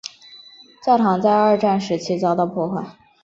教堂在二战期间遭到破坏。